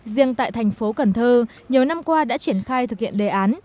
riêng tại thành phố cần thơ nhiều năm qua đã triển khai thực hiện đề án